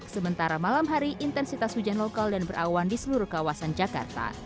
sementara malam hari intensitas hujan lokal dan berawan di seluruh kawasan jakarta